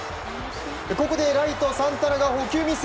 ここでライトのサンタナが捕球ミス！